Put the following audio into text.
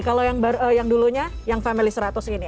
kalau yang dulunya yang family seratus ini